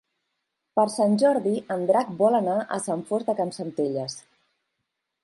Per Sant Jordi en Drac vol anar a Sant Fost de Campsentelles.